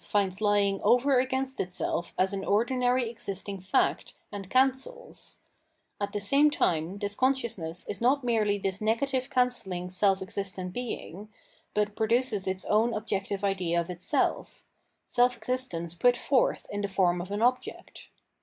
706 Phenomenology of Mind, finds lying over against itself as an ordinary existing fact and cancels; at the same time this consciousness is not merely this negative cancelling self existent being, but produces its own objective idea of itself, — self existence put forth in the form of an object.